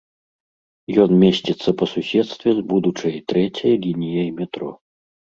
Ён месціцца па суседстве з будучай трэцяй лініяй метро.